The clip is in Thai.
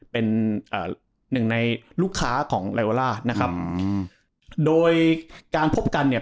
เป็นเอ่อหนึ่งในลูกค้าของไลวาล่านะครับอืมโดยการพบกันเนี่ย